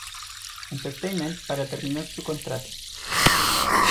Entertainment para terminar su contrato.